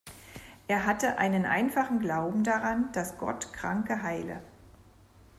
Er hatte einen einfachen Glauben daran, dass Gott Kranke heile.